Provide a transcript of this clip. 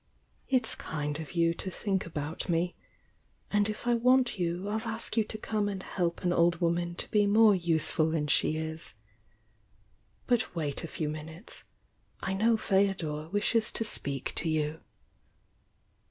"It's kind of you to think about me— and if I want you I'll ask you to come and help an old woman to be more useful than she is! But wait a few minutes — I know Feo dor wishes to speak to you."